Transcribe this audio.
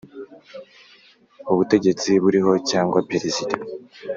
Ubutegetsi buriho cyangwa perezida